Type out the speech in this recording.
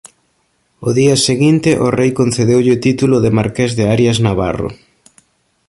Ó día seguinte o rei concedeulle o título de marqués de Arias Navarro.